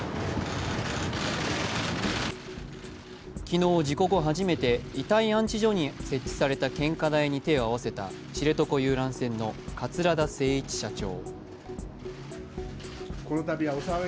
昨日、事故後初めて遺体安置所に設置された献花台に手を合わせた知床遊覧船の桂田精一社長。